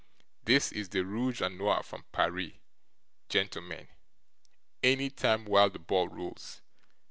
this is the rooge a nore from Paris, gentlemen any time while the ball rolls!